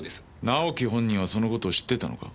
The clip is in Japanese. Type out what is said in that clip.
直樹本人はその事を知ってたのか？